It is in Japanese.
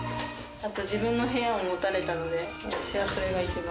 あと、自分の部屋を持たれたので、私はそれが一番。